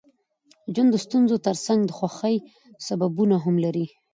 ژوند د ستونزو ترڅنګ د خوښۍ سببونه هم لري.